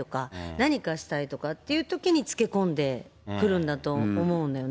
何かしたいとかっていうときにつけこんでくるんだとおもうんだよ